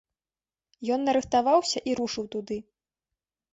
Ён нарыхтаваўся і рушыў туды.